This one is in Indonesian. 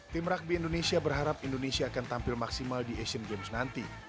tim rugby indonesia berharap indonesia akan tampil maksimal di asian games nanti